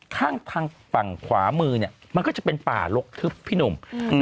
ข้างทางฝั่งขวามือเนี่ยมันก็จะเป็นป่าลกทึบพี่หนุ่ม